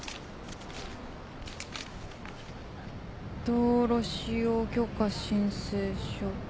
「道路使用許可申請書」。